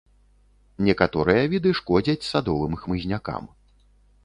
Некаторыя віды шкодзяць садовым хмызнякам.